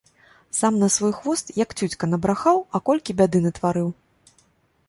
Сам на свой хвост, як цюцька, набрахаў, а колькі бяды натварыў.